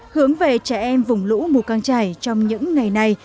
hướng về trẻ em vùng lũ mùa căng trải trong những ngày này